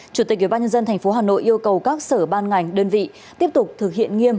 chủ tịch ubnd tp hà nội yêu cầu các sở ban ngành đơn vị tiếp tục thực hiện nghiêm